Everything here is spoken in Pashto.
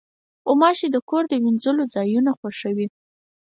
غوماشې د کور د وینځلو ځایونه خوښوي.